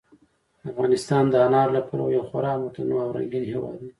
افغانستان د انارو له پلوه یو خورا متنوع او رنګین هېواد دی.